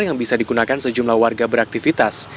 yang bisa digunakan sejumlah warga beraktivitas